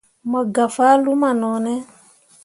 Mo gah fah luma no ne.